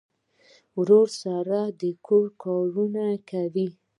ورور سره د کور کارونه کوي.